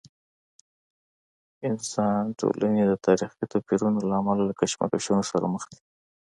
انسا ټولنې د تاریخي توپیرونو له امله له کشمکشونو سره مخ وي.